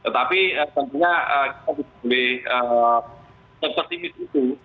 tapi tentunya kita harus boleh tertimis itu